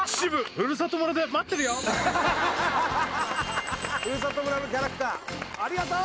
ふるさと村のキャラクターありがとー！